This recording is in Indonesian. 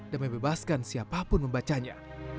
dan membebaskan siapapun membacanya